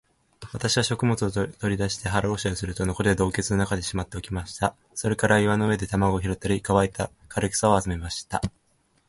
私は食物を取り出して、腹ごしらえをすると、残りは洞穴の中にしまっておきました。それから岩の上で卵を拾ったり、乾いた枯草を集めました。